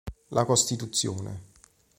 La costruzione.